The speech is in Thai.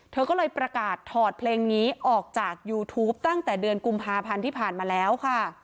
เธอก็เลยประกาศถอดเพลงนี้ออกจากยูทูปตั้งแต่เดือนกุมภาพันธ์ที่ผ่านมาแล้วค่ะ